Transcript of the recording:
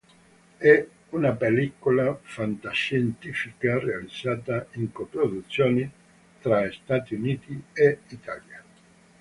È una pellicola fantascientifica realizzata in coproduzione tra Stati Uniti e Italia.